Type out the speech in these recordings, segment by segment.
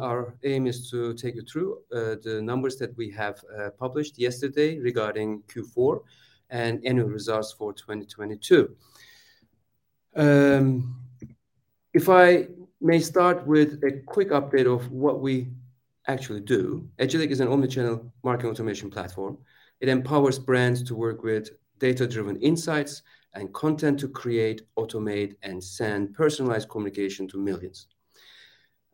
Our aim is to take you through the numbers that we have published yesterday regarding Q4 and annual results for 2022. If I may start with a quick update of what we actually do. Agillic is an omnichannel marketing automation platform. It empowers brands to work with data-driven insights and content to create, automate, and send personalized communication to millions.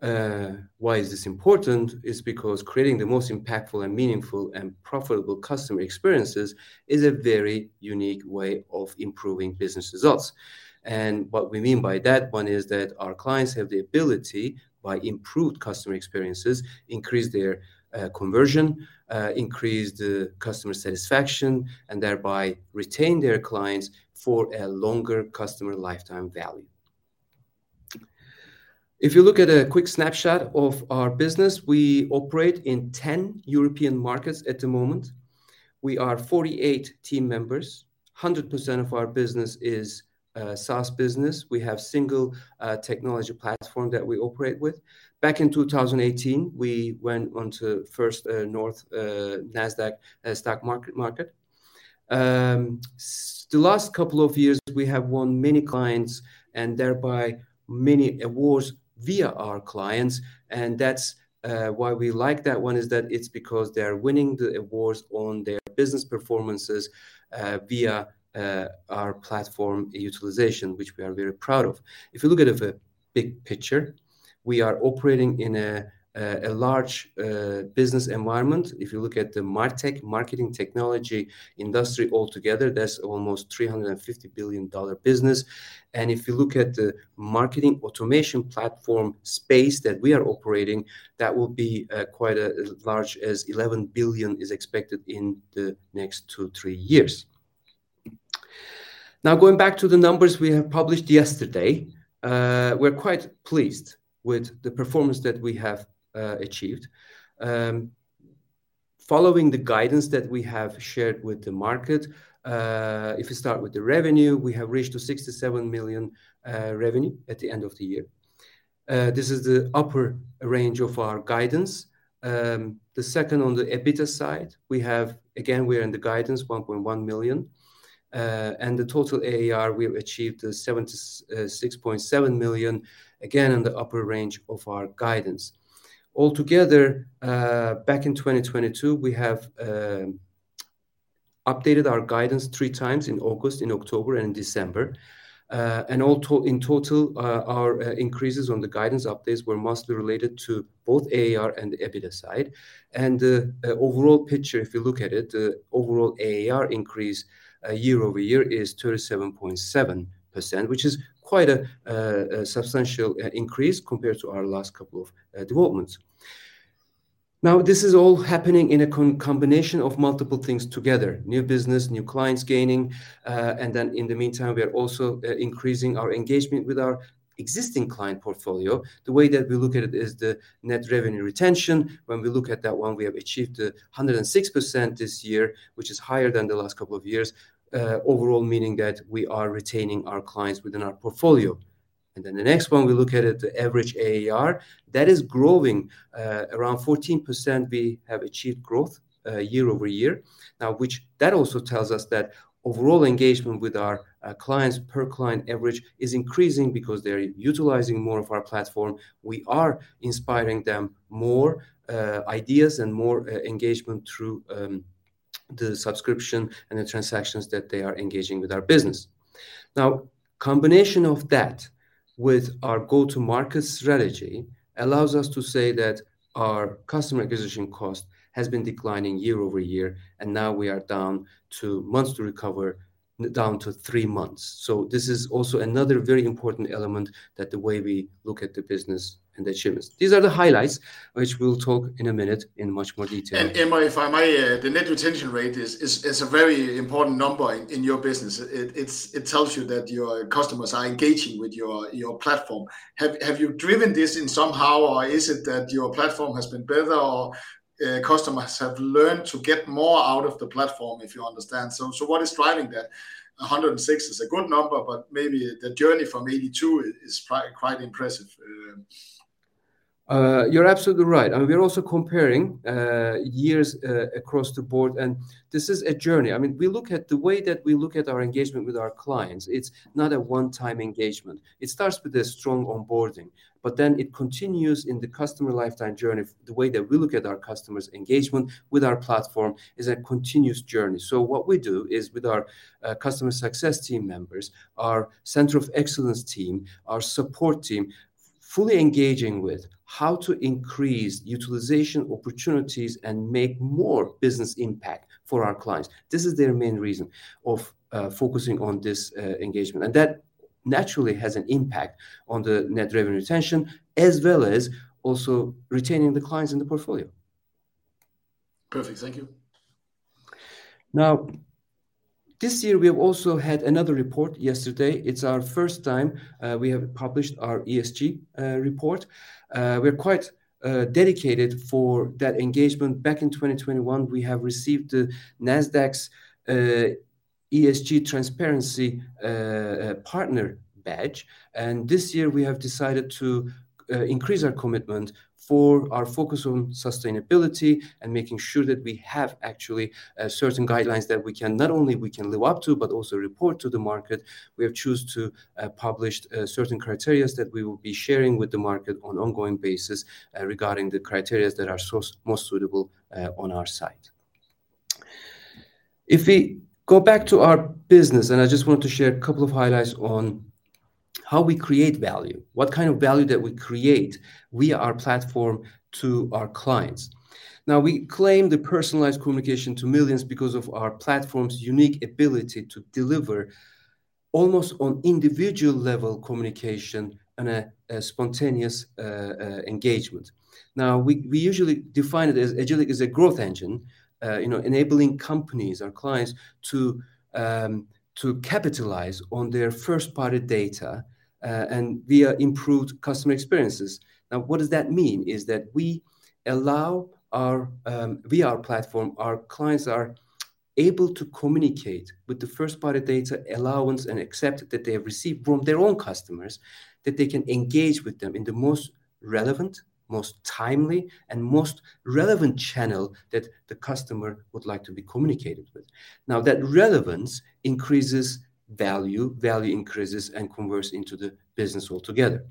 Why is this important? Is because creating the most impactful and meaningful and profitable customer experiences is a very unique way of improving business results. What we mean by that one is that our clients have the ability, by improved customer experiences, increase their conversion, increase the customer satisfaction, and thereby retain their clients for a longer customer lifetime value. If you look at a quick snapshot of our business, we operate in 10 European markets at the moment. We are 48 team members. 100% of our business is SaaS business. We have single technology platform that we operate with. Back in 2018, we went onto First North Nasdaq stock market. The last couple of years we have won many clients, and thereby many awards via our clients, and that's why we like that one is that it's because they're winning the awards on their business performances via our platform utilization, which we are very proud of. If you look at the big picture, we are operating in a large business environment. If you look at the MarTech, marketing technology industry altogether, that's almost $350 billion business. If you look at the marketing automation platform space that we are operating, that will be quite as large as 11 billion is expected in the next two, three years. Going back to the numbers we have published yesterday, we're quite pleased with the performance that we have achieved. Following the guidance that we have shared with the market, if you start with the revenue, we have reached 67 million revenue at the end of the year. This is the upper range of our guidance. The second on the EBITDA side, we have, again, we are in the guidance 1.1 million. The total ARR we have achieved 76.7 million, again in the upper range of our guidance. All together, back in 2022, we have updated our guidance 3x in August, in October, and December. In total, our increases on the guidance updates were mostly related to both ARR and the EBITDA side. The overall picture if you look at it, the overall ARR increase year-over-year is 37.7%, which is quite a substantial increase compared to our last couple of developments. Now, this is all happening in a combination of multiple things together. New business, new clients gaining, and then in the meantime we are also increasing our engagement with our existing client portfolio. The way that we look at it is the net revenue retention. When we look at that one, we have achieved 106% this year, which is higher than the last couple of years. Overall meaning that we are retaining our clients within our portfolio. The next one we look at it, the average ARR, that is growing. Around 14% we have achieved growth year-over-year. Now which that also tells us that overall engagement with our clients per-client average is increasing because they're utilizing more of our platform. We are inspiring them more ideas and more engagement through the subscription and the transactions that they are engaging with our business. Now, combination of that with our go-to-market strategy allows us to say that our customer acquisition cost has been declining year-over-year, and now we are down to months to recover, down to three months. This is also another very important element that the way we look at the business initiatives. These are the highlights, which we'll talk in a minute in much more detail. Emre, if I may, the net retention rate is a very important number in your business. It tells you that your customers are engaging with your platform. Have you driven this in somehow, or is it that your platform has been better or customers have learned to get more out of the platform, if you understand? What is driving that? 106 is a good number, but maybe the journey from 82 is quite impressive. You're absolutely right. I mean, we're also comparing years across the board. This is a journey. I mean, we look at the way that we look at our engagement with our clients, it's not a one-time engagement. It starts with a strong onboarding. It continues in the customer lifetime journey. The way that we look at our customers engagement with our platform is a continuous journey. What we do is with our customer success team members, our center of excellence team, our support team, fully engaging with how to increase utilization opportunities and make more business impact for our clients. This is their main reason of focusing on this engagement. That naturally has an impact on the net revenue retention, as well as also retaining the clients in the portfolio. Perfect. Thank you. This year we have also had another report yesterday. It's our first time we have published our ESG report. We're quite dedicated for that engagement. Back in 2021, we have received Nasdaq's ESG Transparency Partner badge. This year we have decided to increase our commitment for our focus on sustainability and making sure that we have actually certain guidelines that not only we can live up to, but also report to the market. We have choose to publish certain criterias that we will be sharing with the market on ongoing basis regarding the criterias that are most suitable on our side. If we go back to our business, I just want to share a couple of highlights on how we create value, what kind of value that we create via our platform to our clients. We claim the personalized communication to millions because of our platform's unique ability to deliver almost on individual level communication and a spontaneous engagement. We usually define it as Agillic as a growth engine, you know, enabling companies or clients to capitalize on their first-party data via improved customer experiences. What does that mean is that we allow our via our platform, our clients are able to communicate with the first-party data allowance and accept that they have received from their own customers, that they can engage with them in the most relevant, most timely, and most relevant channel that the customer would like to be communicated with. That relevance increases value increases and converts into the business altogether.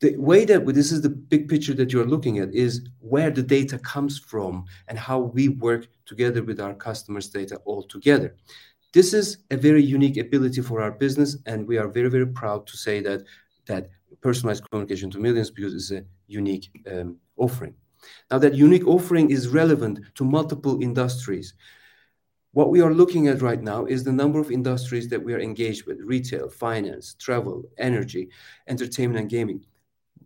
The way that we. This is the big picture that you're looking at, is where the data comes from and how we work together with our customers' data all together. This is a very unique ability for our business, and we are very, very proud to say that that personalized communication to millions because it's a unique offering. That unique offering is relevant to multiple industries. What we are looking at right now is the number of industries that we are engaged with: retail, finance, travel, energy, entertainment, and gaming.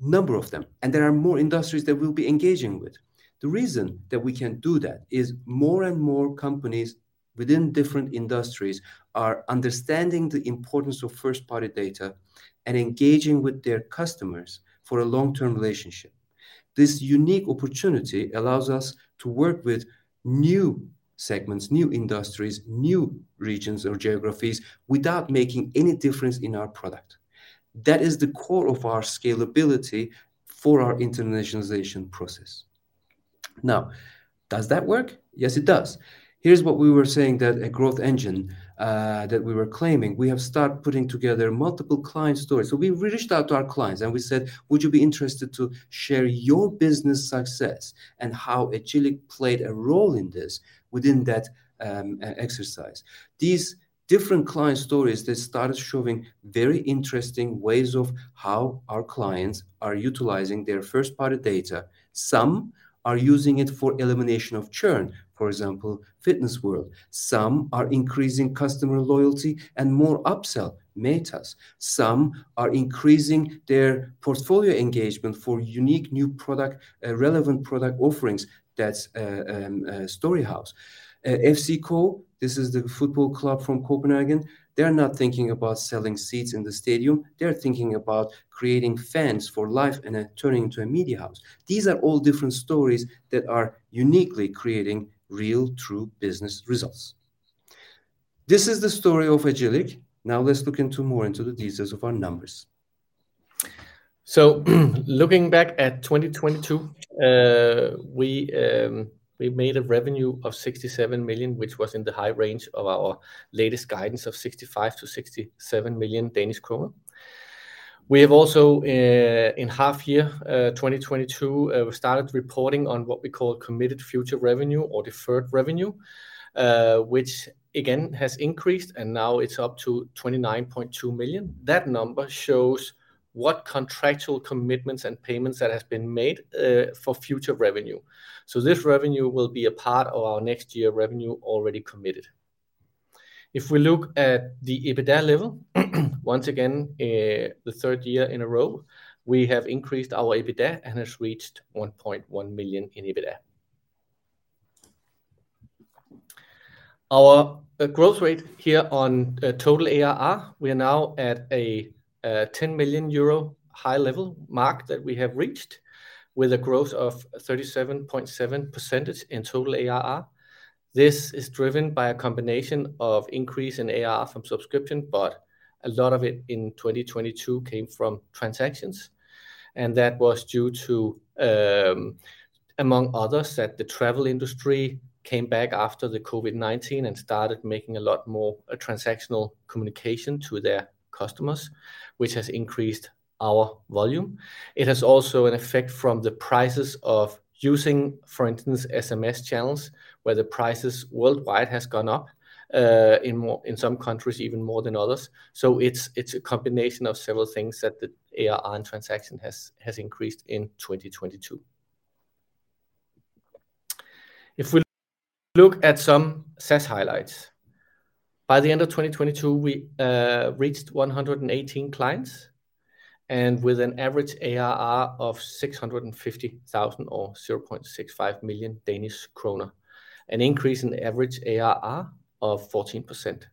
Number of them, and there are more industries that we'll be engaging with. The reason that we can do that is more and more companies within different industries are understanding the importance of first-party data and engaging with their customers for a long-term relationship. This unique opportunity allows us to work with new segments, new industries, new regions or geographies without making any difference in our product. That is the core of our scalability for our internationalization process. Does that work? Yes, it does. Here's what we were saying that a growth engine that we were claiming. We have start putting together multiple client stories. We reached out to our clients and we said, "Would you be interested to share your business success and how Agillic played a role in this within that exercise?" These different client stories that started showing very interesting ways of how our clients are utilizing their first-party data. Some are using it for elimination of churn, for example, Fitness World. Some are increasing customer loyalty and more upsell, Matas. Some are increasing their portfolio engagement for unique new product, relevant product offerings, that's Story House. FCK, this is the football club from Copenhagen, they're not thinking about selling seats in the stadium, they're thinking about creating fans for life and turning into a media house. These are all different stories that are uniquely creating real true business results. This is the story of Agillic. Now let's look into more into the details of our numbers. Looking back at 2022, we made a revenue of 67 million, which was in the high range of our latest guidance of 65 million-67 million Danish kroner. We have also, in half year 2022, we started reporting on what we call committed future revenue or deferred revenue, which again, has increased and now it's up to 29.2 million. That number shows what contractual commitments and payments that has been made for future revenue. This revenue will be a part of our next year revenue already committed. If we look at the EBITDA level, once again, the third year in a row, we have increased our EBITDA and has reached 1.1 million in EBITDA. Our growth rate here on total ARR, we are now at a 10 million euro high level mark that we have reached with a growth of 37.7% in total ARR. This is driven by a combination of increase in ARR from subscription, but a lot of it in 2022 came from transactions. That was due to, among others, that the travel industry came back after the COVID-19 and started making a lot more transactional communication to their customers, which has increased our volume. It has also an effect from the prices of using, for instance, SMS channels, where the prices worldwide has gone up in more, in some countries even more than others. It's a combination of several things that the ARR and transaction has increased in 2022. If we look at some SaaS highlights, by the end of 2022, we reached 118 clients and with an average ARR of 650,000 or 0.65 million Danish kroner, an increase in average ARR of 14%.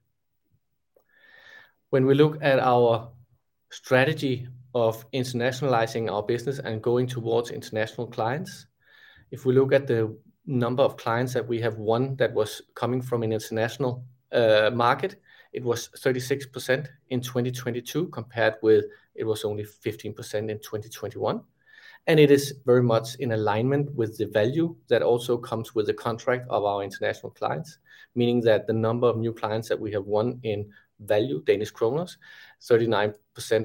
We look at our strategy of internationalizing our business and going towards international clients, if we look at the number of clients that we have won that was coming from an international market, it was 36% in 2022 compared with it was only 15% in 2021. It is very much in alignment with the value that also comes with the contract of our international clients, meaning that the number of new clients that we have won in value, Danish krone, 39%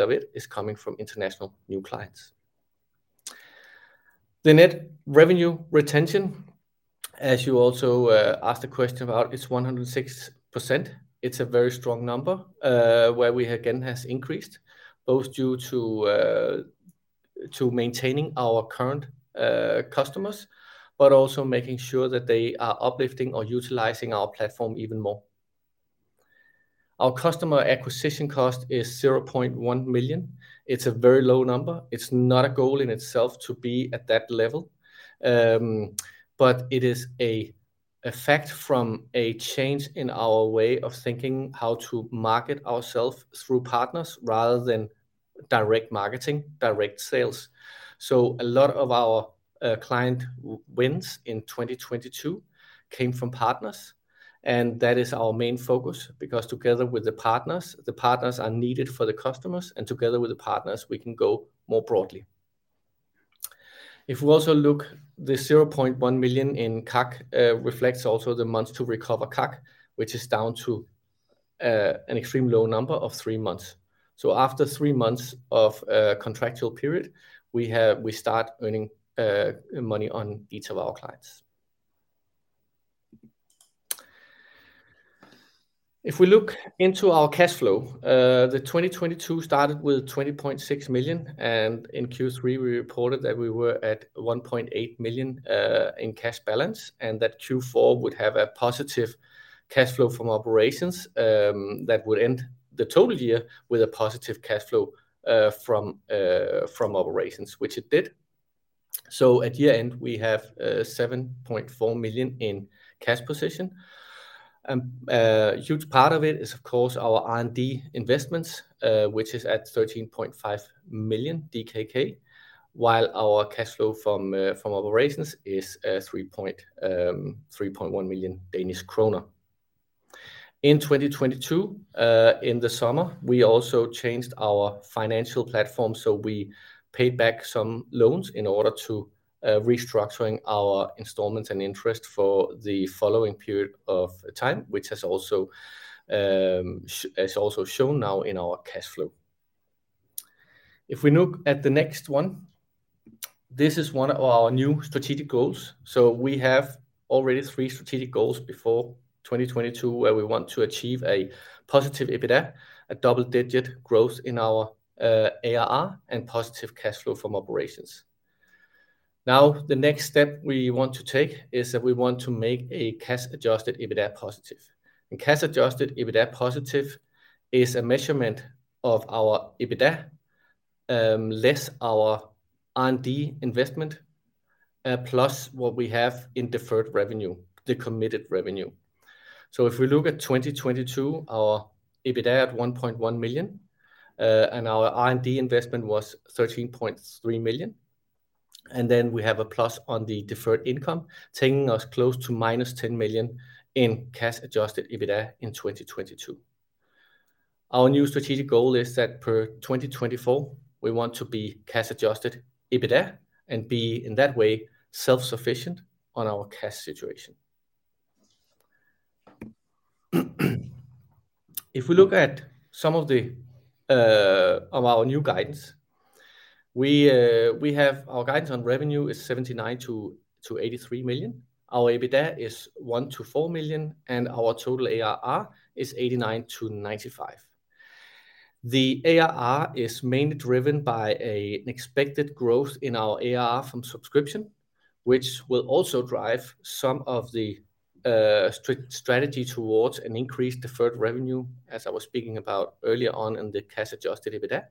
of it is coming from international new clients. The net revenue retention, as you also asked a question about, is 106%. It's a very strong number, where we again has increased both due to maintaining our current customers but also making sure that they are uplifting or utilizing our platform even more. Our customer acquisition cost is 0.1 million. It's a very low number. It's not a goal in itself to be at that level. It is a effect from a change in our way of thinking how to market ourself through partners rather than direct marketing, direct sales. A lot of our client wins in 2022 came from partners, and that is our main focus because together with the partners, the partners are needed for the customers, and together with the partners, we can go more broadly. If we also look, the 0.1 million in CAC reflects also the months to recover CAC which is down to an extreme low number of three months. After three months of contractual period, we start earning money on each of our clients. If we look into our cash flow, the 2022 started with 20.6 million, and in Q3, we reported that we were at 1.8 million in cash balance and that Q4 would have a positive cash flow from operations that would end the total year with a positive cash flow from operations, which it did. At year-end, we have 7.4 million in cash position. A huge part of it is of course our R&D investments, which is at 13.5 million DKK, while our cash flow from operations is 3.1 million Danish kroner. In 2022, in the summer, we also changed our financial platform, so we paid back some loans in order to restructuring our installments and interest for the following period of time, which has also is also shown now in our cash flow. We have already three strategic goals before 2022, where we want to achieve a positive EBITDA, a double-digit growth in our ARR and positive cash flow from operations. Now, the next step we want to take is that we want to make a cash-adjusted EBITDA positive. Cash-adjusted EBITDA positive is a measurement of our EBITDA less our R&D investment plus what we have in deferred revenue, the committed revenue. If we look at 2022, our EBITDA at 1.1 million, and our R&D investment was 13.3 million, and then we have a plus on the deferred income, taking us close to -10 million in cash-adjusted EBITDA in 2022. Our new strategic goal is that per 2024, we want to be cash-adjusted EBITDA and be, in that way, self-sufficient on our cash situation. If we look at some of the of our new guidance, we have our guidance on revenue is 79 million-83 million. Our EBITDA is 1 million-4 million, and our total ARR is 89 million-95 million. The ARR is mainly driven by an expected growth in our ARR from subscription, which will also drive some of the strategy towards an increased deferred revenue, as I was speaking about earlier on in the cash-adjusted EBITDA.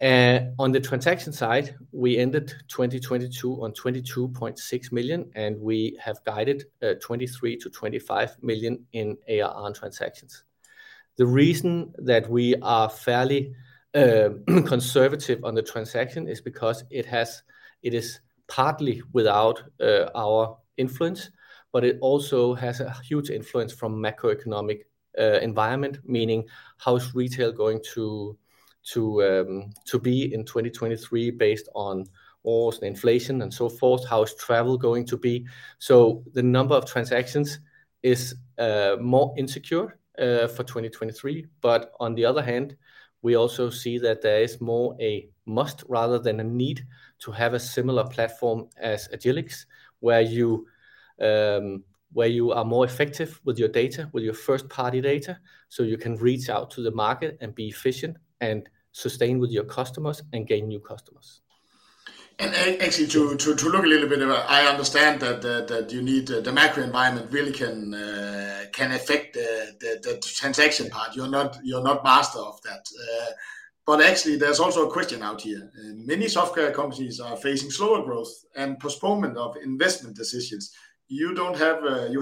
On the transaction side, we ended 2022 on 22.6 million, and we have guided 23 million-25 million in ARR on transactions. The reason that we are fairly conservative on the transaction is because it is partly without our influence, but it also has a huge influence from macroeconomic environment, meaning how is retail going to be in 2023 based on wars and inflation and so forth? How is travel going to be? The number of transactions is more insecure for 2023. On the other hand, we also see that there is more a must rather than a need to have a similar platform as Agillic's, where you, where you are more effective with your data, with your first-party data, so you can reach out to the market and be efficient and sustain with your customers and gain new customers. Actually, to look a little bit at that, I understand that you need the macro environment really can affect the transaction part. You're not master of that. Actually there's also a question out here. Many software companies are facing slower growth and postponement of investment decisions. You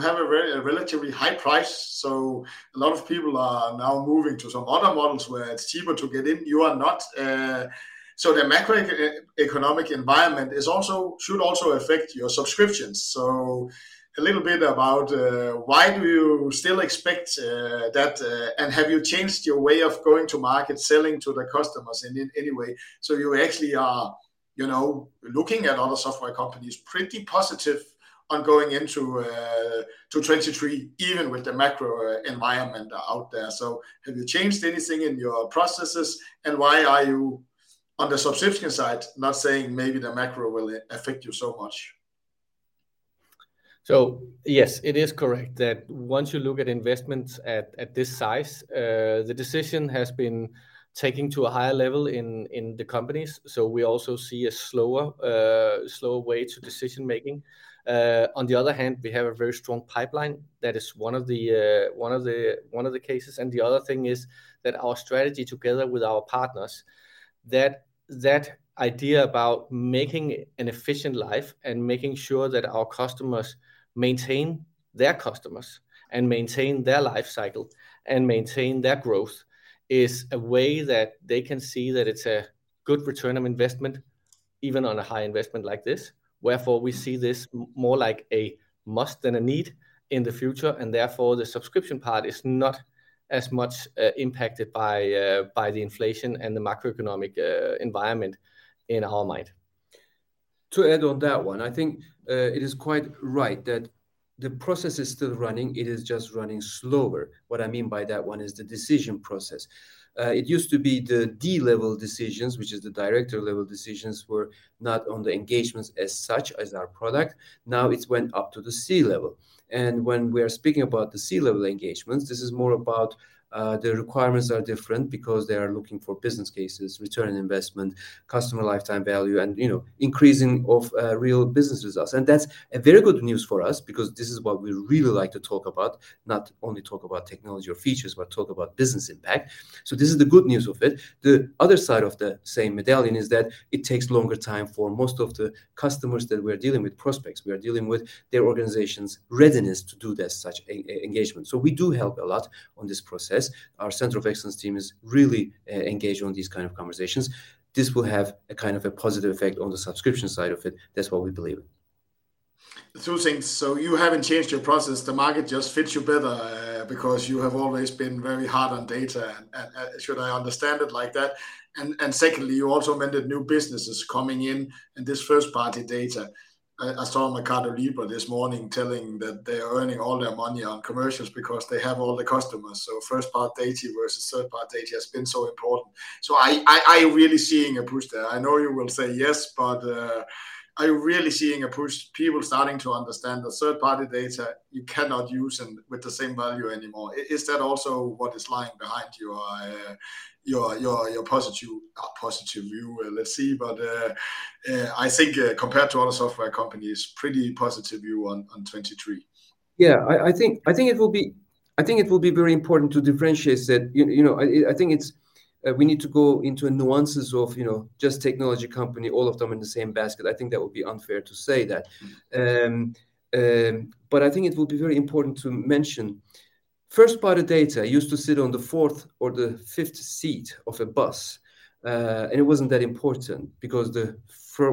have a relatively high price, so a lot of people are now moving to some other models where it's cheaper to get in. You are not. The macro economic environment is also, should also affect your subscriptions. A little bit about why do you still expect that? Have you changed your way of going to market selling to the customers in any way so you actually are, you know, looking at other software companies pretty positive on going into 2023 even with the macro environment out there? Have you changed anything in your processes, and why are you, on the subscription side, not saying maybe the macro will affect you so much? Yes, it is correct that once you look at investments at this size, the decision has been taken to a higher level in the companies. We also see a slower way to decision-making. On the other hand, we have a very strong pipeline. That is one of the cases. The other thing is that our strategy together with our partners, that idea about making an efficient life and making sure that our customers maintain their customers and maintain their life cycle and maintain their growth is a way that they can see that it's a good return on investment even on a high investment like this. We see this more like a must than a need in the future, therefore, the subscription part is not as much impacted by the inflation and the macroeconomic environment in our mind. To add on that one, I think, it is quite right that the process is still running. It is just running slower. What I mean by that one is the decision process. It used to be the D-level decisions, which is the director-level decisions, were not on the engagements as such as our product. Now it's went up to the C-level. When we're speaking about the C-level engagements, this is more about, the requirements are different because they are looking for business cases, return on investment, customer lifetime value, and, you know, increasing of, real business results. That's a very good news for us because this is what we really like to talk about, not only talk about technology or features, but talk about business impact. This is the good news of it. The other side of the same medallion is that it takes longer time for most of the customers that we're dealing with, prospects we are dealing with, their organization's readiness to do that such engagement. We do help a lot on this process. Our center of excellence team is really engaged on these kind of conversations. This will have a kind of a positive effect on the subscription side of it. That's what we believe. Two things. You haven't changed your process. The market just fits you better, because you have always been very hard on data. Should I understand it like that? Secondly, you also mentioned new businesses coming in and this first-party data. I saw MercadoLibre this morning telling that they are earning all their money on commercials because they have all the customers. First-party data versus third-party data has been so important. I really seeing a push there. I know you will say yes, are you really seeing a push, people starting to understand the third-party data you cannot use in, with the same value anymore? Is that also what is lying behind your positive view, let's say, I think compared to other software companies, pretty positive view on 2023? Yeah. I think it will be very important to differentiate that, you know, I think it's, we need to go into nuances of, you know, just technology company, all of them in the same basket. I think that would be unfair to say that. But I think it will be very important to mention first-party data used to sit on the fourth or the fifth seat of a bus. And it wasn't that important because the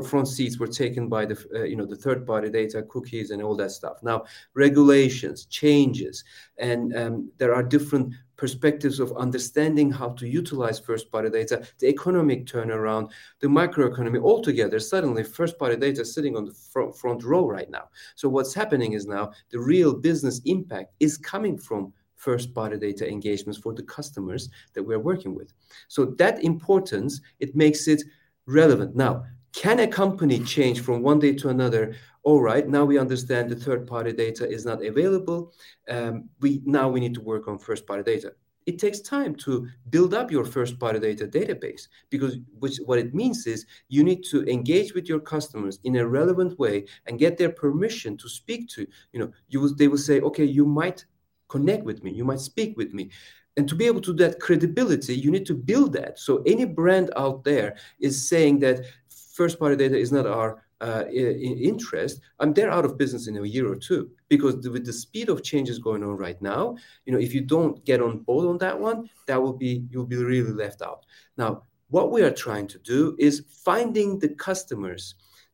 front seats were taken by the third-party data, cookies and all that stuff. Now, regulations, changes and, there are different perspectives of understanding how to utilize first-party data. The economic turnaround, the microeconomy altogether, suddenly first-party data is sitting on the front row right now. What's happening is now the real business impact is coming from first-party data engagements for the customers that we're working with. That importance, it makes it relevant. Now, can a company change from one day to another? All right, now we understand that third-party data is not available. Now we need to work on first-party data. It takes time to build up your first-party data database because what it means is you need to engage with your customers in a relevant way and get their permission to speak to. You know, they will say, "Okay, you might connect with me. You might speak with me." To be able to that credibility, you need to build that. Any brand out there is saying that first-party data is not our interest, they're out of business in a year or two because with the speed of changes going on right now, you know, if you don't get on board on that one, you'll be really left out. What we are trying to do is finding the customers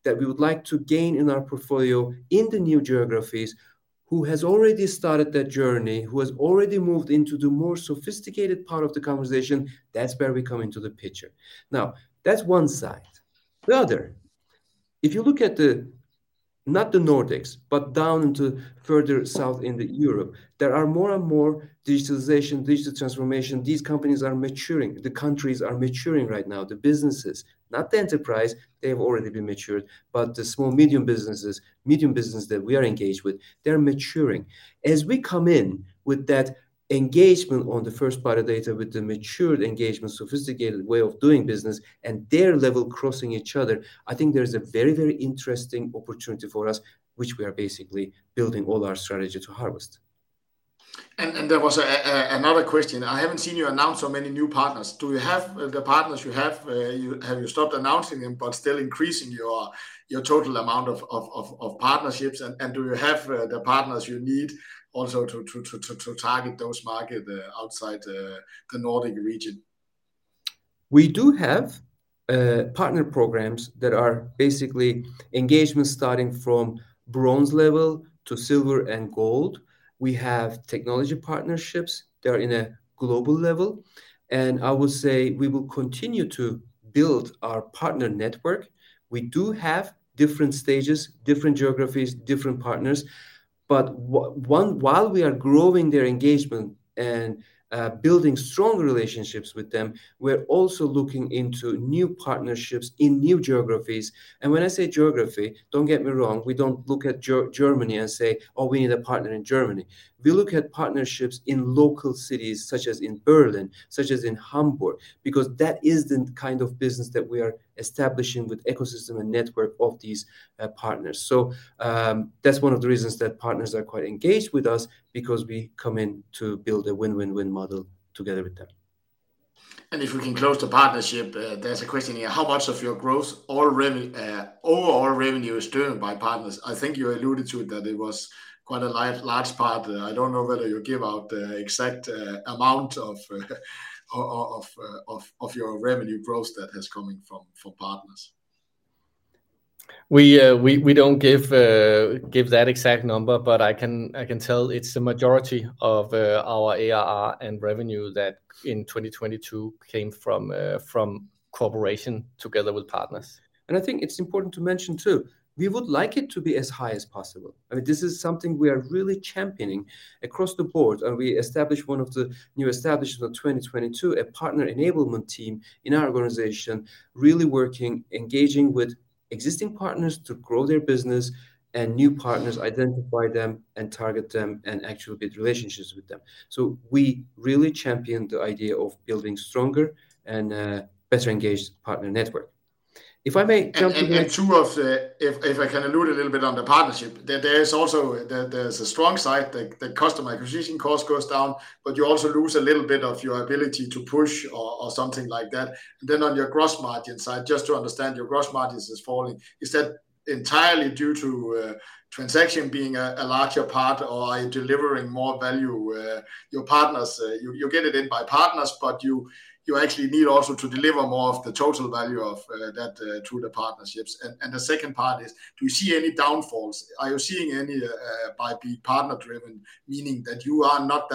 that we would like to gain in our portfolio in the new geographies who has already started that journey, who has already moved into the more sophisticated part of the conversation. That's where we come into the picture. That's one side. The other, if you look at the, not the Nordics, but down into further south into Europe, there are more and more digitalization, digital transformation. These companies are maturing. The countries are maturing right now, the businesses. Not the enterprise, they've already been matured, but the small medium businesses, medium business that we are engaged with, they're maturing. As we come in with that engagement on the first-party data with the matured engagement, sophisticated way of doing business and their level crossing each other, I think there's a very, very interesting opportunity for us, which we are basically building all our strategy to harvest. There was another question. I haven't seen you announce so many new partners. Do you have the partners you have you stopped announcing them but still increasing your total amount of partnerships? Do you have the partners you need also to target those market outside the Nordic region? We do have partner programs that are basically engagements starting from bronze level to silver and gold. We have technology partnerships that are in a global level. I would say we will continue to build our partner network. We do have different stages, different geographies, different partners, but while we are growing their engagement and building strong relationships with them, we're also looking into new partnerships in new geographies. When I say geography, don't get me wrong, we don't look at Germany and say, "Oh, we need a partner in Germany." We look at partnerships in local cities such as in Berlin, such as in Hamburg, because that is the kind of business that we are establishing with ecosystem and network of these partners. That's one of the reasons that partners are quite engaged with us, because we come in to build a win-win-win model together with them. If we can close the partnership, there's a question here. How much of your growth or overall revenue is driven by partners? I think you alluded to it that it was quite a large part. I don't know whether you give out the exact amount of your revenue growth that has coming from partners. We don't give that exact number, but I can tell it's the majority of our ARR and revenue that in 2022 came from cooperation together with partners. I think it's important to mention, too, we would like it to be as high as possible. I mean, this is something we are really championing across the board, and we established one of the new establishments of 2022, a partner enablement team in our organization really working, engaging with existing partners to grow their business and new partners, identify them and target them, and actually build relationships with them. We really champion the idea of building stronger and a better engaged partner network. If I may jump again- Two of the... If I can allude a little bit on the partnership, there is also... There's a strong side, the customer acquisition cost goes down, but you also lose a little bit of your ability to push or something like that. Then on your gross margin side, just to understand, your gross margins is falling. Is that entirely due to transaction being a larger part? Or are you delivering more value, your partners, you get it in by partners, but you actually need also to deliver more of the total value of that through the partnerships? The second part is, do you see any downfalls? Are you seeing any be partner-driven, meaning that you are not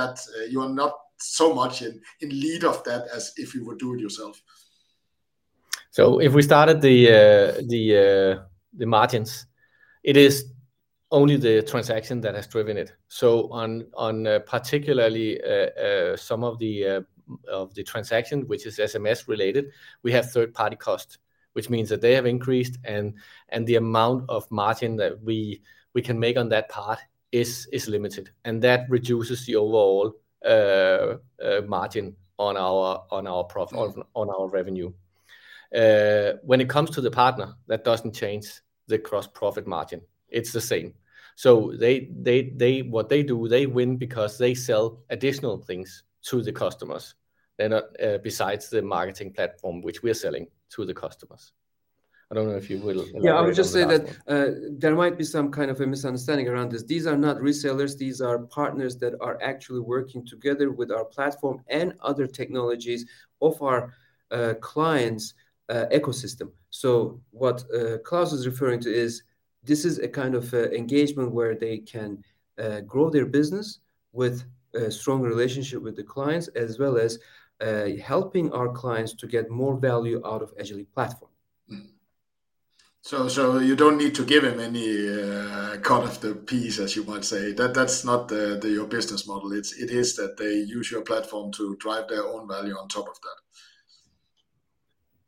so much in lead of that as if you were doing it yourself? If we start at the margins, it is only the transaction that has driven it. On, particularly, some of the transaction, which is SMS related, we have third-party costs, which means that they have increased and the amount of margin that we can make on that part is limited, and that reduces the overall margin on our. Mm-hmm On our revenue. When it comes to the partner, that doesn't change the gross profit margin. It's the same. What they do, they win because they sell additional things to the customers. They're not, besides the marketing platform which we are selling to the customers. I don't know if you will elaborate on the last one. Yeah, I would just say that, there might be some kind of a misunderstanding around this. These are not resellers. These are partners that are actually working together with our platform and other technologies of our client's ecosystem. What Claus is referring to is this is a kind of a engagement where they can grow their business with a strong relationship with the clients as well as helping our clients to get more value out of Agillic platform. Mm-hmm. You don't need to give him any cut of the piece, as you might say. That's not your business model. It is that they use your platform to drive their own value on top of that.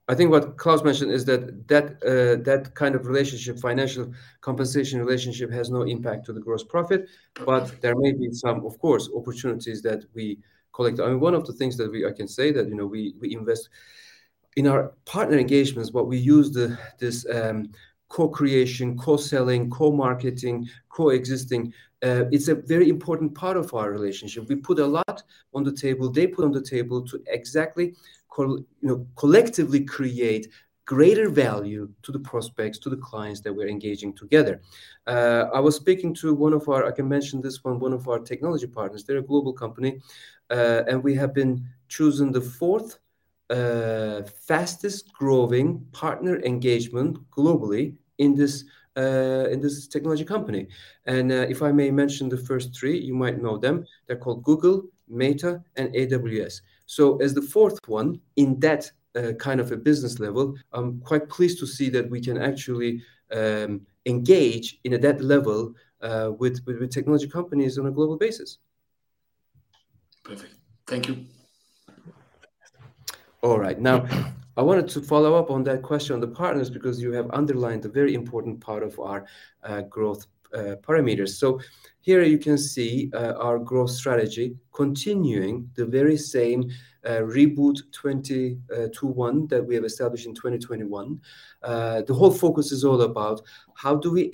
I think what Claus mentioned is that kind of relationship, financial compensation relationship, has no impact to the gross profit. There may be some, of course, opportunities that we collect. I mean, I can say that, you know, we invest in our partner engagements, we use this co-creation, co-selling, co-marketing, co-existing. It's a very important part of our relationship. We put a lot on the table. They put on the table to exactly, you know, collectively create greater value to the prospects, to the clients that we're engaging together. I was speaking to one of our, I can mention this one of our technology partners. They're a global company, we have been chosen the fourth fastest-growing partner engagement globally in this technology company. If I may mention the first three, you might know them. They're called Google, Meta, and AWS. As the fourth one in that, kind of a business level, I'm quite pleased to see that we can actually, engage, you know, that level, with technology companies on a global basis. Perfect. Thank you. All right. Now, I wanted to follow up on that question on the partners, because you have underlined a very important part of our growth parameters. Here you can see our growth strategy continuing the very same Reboot 2.1 that we have established in 2021. The whole focus is all about how do we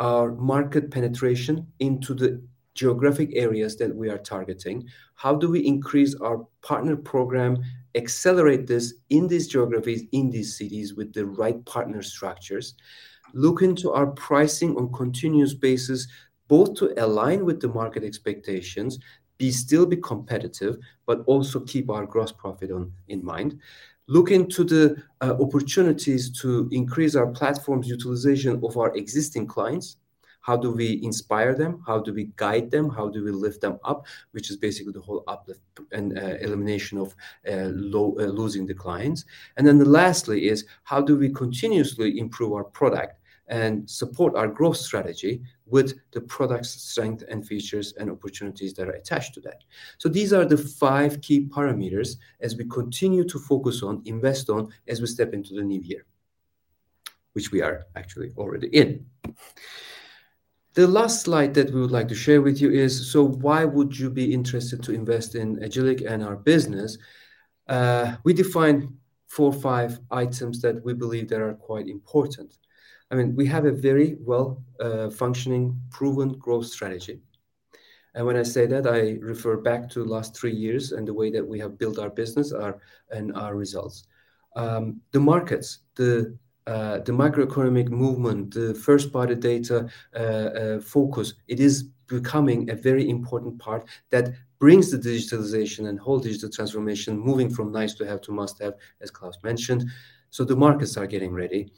our market penetration into the geographic areas that we are targeting. How do we increase our partner program, accelerate this in these geographies, in these cities with the right partner structures? Look into our pricing on continuous basis, both to align with the market expectations, still be competitive, but also keep our gross profit in mind. Look into the opportunities to increase our platform's utilization of our existing clients. How do we inspire them? How do we guide them? How do we lift them up, which is basically the whole uplift and elimination of losing the clients. Lastly, is how do we continuously improve our product and support our growth strategy with the product's strength and features and opportunities that are attached to that? These are the five key parameters as we continue to focus on, invest on as we step into the new year, which we are actually already in. The last slide that we would like to share with you is, why would you be interested to invest in Agillic and our business? We define four, five items that we believe that are quite important. I mean, we have a very well-functioning, proven growth strategy. When I say that, I refer back to last three years and the way that we have built our business and our results. The markets, the macroeconomic movement, the first-party data focus, it is becoming a very important part that brings the digitalization and whole digital transformation moving from nice to have to must have, as Claus mentioned. The markets are getting ready.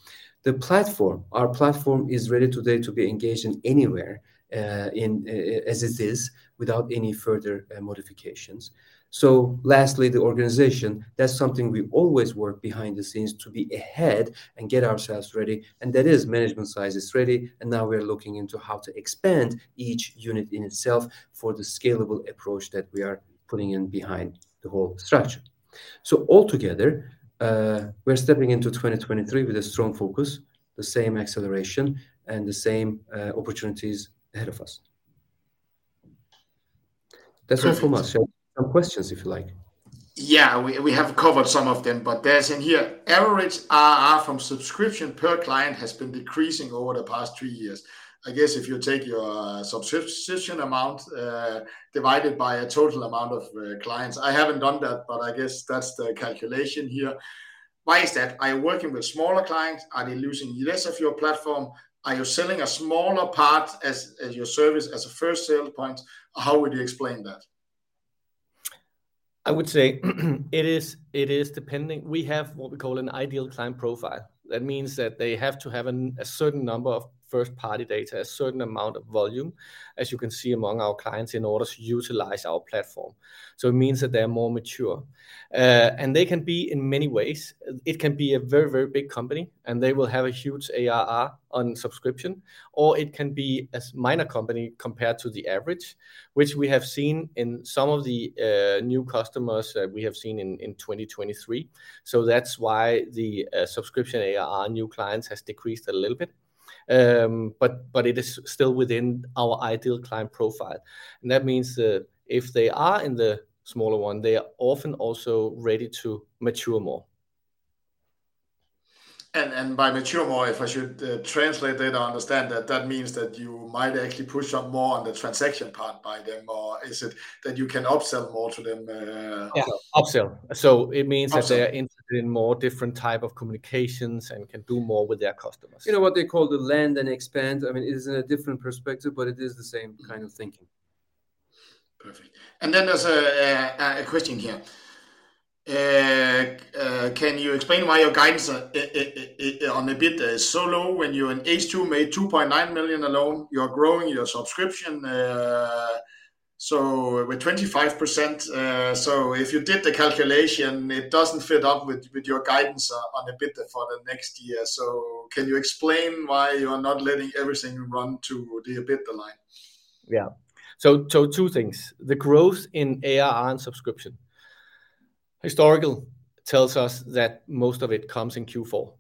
The platform, our platform is ready today to be engaged in anywhere as it is without any further modifications. Lastly, the organization. That's something we always work behind the scenes to be ahead and get ourselves ready, and that is management size is ready, and now we're looking into how to expand each unit in itself for the scalable approach that we are putting in behind the whole structure. Altogether, we're stepping into 2023 with a strong focus, the same acceleration, and the same opportunities ahead of us. That's all from us. Perfect. Some questions if you like. Yeah, we have covered some of them, but there's in here, average ARR from subscription per client has been decreasing over the past three years. I guess if you take your subscription amount, divided by a total amount of clients. I haven't done that, but I guess that's the calculation here. Why is that? Are you working with smaller clients? Are they losing less of your platform? Are you selling a smaller part as your service as a first sale point? How would you explain that? I would say it is depending. We have what we call an ideal client profile. That means that they have to have a certain number of first-party data, a certain amount of volume, as you can see among our clients, in order to utilize our platform. It means that they're more mature. They can be in many ways. It can be a very, very big company, and they will have a huge ARR on subscription, or it can be a minor company compared to the average, which we have seen in some of the new customers that we have seen in 2023. That's why the subscription ARR new clients has decreased a little bit. It is still within our ideal client profile, and that means that if they are in the smaller one, they are often also ready to mature more. By mature more, if I should translate that, I understand that means that you might actually push some more on the transaction part by them. Or is it that you can upsell more to them? Yeah. Upsell. it Upsell... that they are interested in more different type of communications and can do more with their customers. You know, what they call the land and expand. I mean, it is in a different perspective, but it is the same kind of thinking. Perfect. Then there's a question here. Can you explain why your guidance on EBIT is so low when you in H2 made 2.9 million alone? You're growing your subscription, so with 25%. If you did the calculation, it doesn't fit up with your guidance on EBIT for the next year. Can you explain why you are not letting everything run to the EBITDA line? Yeah. Two things. The growth in ARR and subscription. Historical tells us that most of it comes in Q4,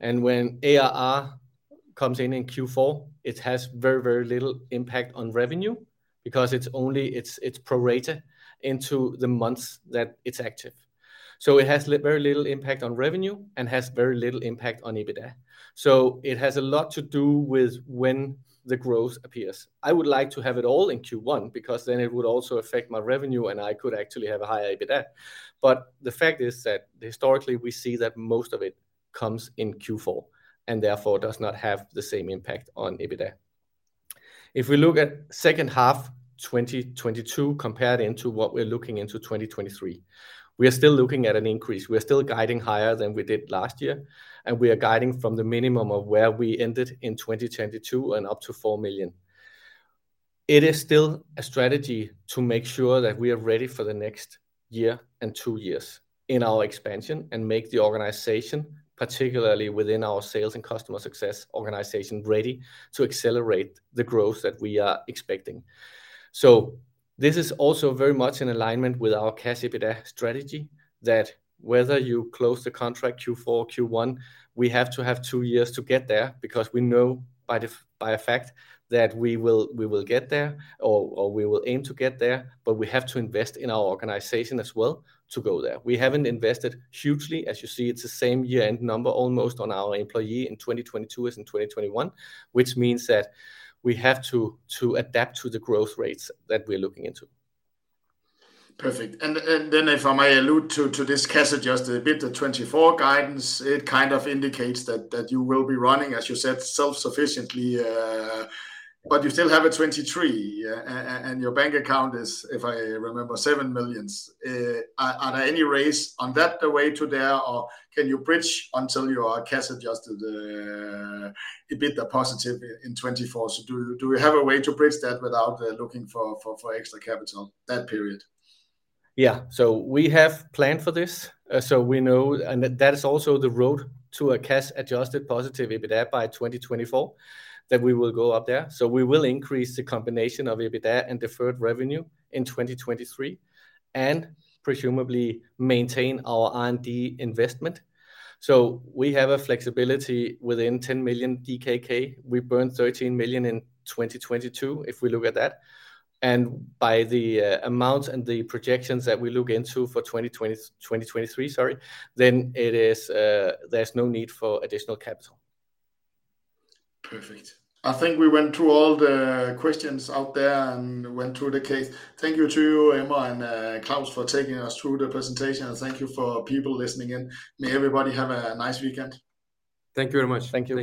and when ARR comes in in Q4, it has very, very little impact on revenue because it's only prorated into the months that it's active. It has very little impact on revenue and has very little impact on EBITDA. It has a lot to do with when the growth appears. I would like to have it all in Q1, because then it would also affect my revenue, and I could actually have a higher EBITDA. The fact is that historically we see that most of it comes in Q4, and therefore does not have the same impact on EBITDA. If we look at second half 2022 compared into what we're looking into 2023, we are still looking at an increase. We are still guiding higher than we did last year. We are guiding from the minimum of where we ended in 2022 and up to 4 million. It is still a strategy to make sure that we are ready for the next year and two years in our expansion and make the organization, particularly within our sales and customer success organization, ready to accelerate the growth that we are expecting. This is also very much in alignment with our cash EBITDA strategy that whether you close the contract Q4, Q1, we have to have two years to get there because we know by a fact that we will get there or we will aim to get there, but we have to invest in our organization as well to go there. We haven't invested hugely. As you see, it's the same year-end number almost on our employee in 2022 as in 2021, which means that we have to adapt to the growth rates that we're looking into. Perfect. If I may allude to this cash-adjusted EBIT at 2024 guidance, it kind of indicates that you will be running, as you said, self-sufficiently. You still have a 2023, and your bank account is, if I remember, 7 million. Are there any raise on that the way to there, or can you bridge until you are cash-adjusted EBIT are positive in 2024? Do we have a way to bridge that without looking for extra capital that period? Yeah. We have planned for this, so we know. That is also the road to a cash-adjusted positive EBITDA by 2024, that we will go up there. We will increase the combination of EBITDA and deferred revenue in 2023 and presumably maintain our R&D investment. We have a flexibility within 10 million DKK. We burned 13 million in 2022, if we look at that. By the amount and the projections that we look into for 2023, sorry, it is there's no need for additional capital. Perfect. I think we went through all the questions out there and went through the case. Thank you to you, Emre and Claus, for taking us through the presentation and thank you for people listening in. May everybody have a nice weekend. Thank you very much. Thank you.